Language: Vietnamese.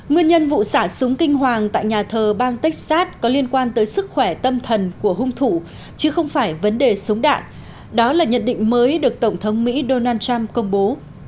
nguyên nhân vụ xả súng kinh hoàng tại nhà thờ bang texas có liên quan tới sức khỏe tâm thần của hung thủ chứ không phải vấn đề súng đạn đó là nhận định mới được tổng thống mỹ donald trump công bố